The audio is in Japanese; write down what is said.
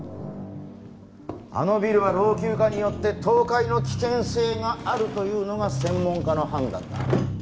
あのビルは老朽化によって倒壊の危険性があるというのが専門家の判断だ。